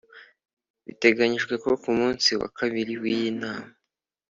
Biteganyijwe ko ku munsi wa kabiri w’iyi nama